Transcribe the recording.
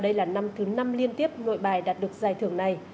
đây là năm thứ năm liên tiếp nội bài đạt được giải thưởng này